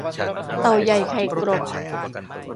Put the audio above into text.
เต่าใหญ่ไข่กลบ